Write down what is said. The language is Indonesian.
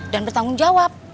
dan bertanggung jawab